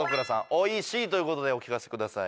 オイシいということでお聞かせください。